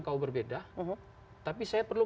kau berbeda tapi saya perlu